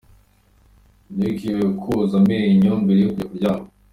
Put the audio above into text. Ntukibagirwe koza amenyo mbere yo kujya kuryama.